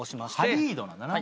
ハリードなんだね。